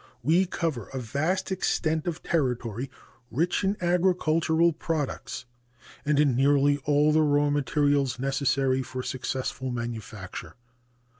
We cover a vast extent of territory rich in agricultural products and in nearly all the raw materials necessary for successful manufacture.